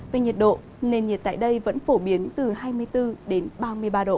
về nhiệt độ nền nhiệt tại đây vẫn phổ biến từ hai mươi bốn đến ba mươi ba độ